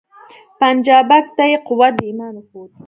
پنجابک ته یې قوت د ایمان وښود